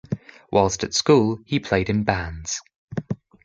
Whilst at school he played in bands.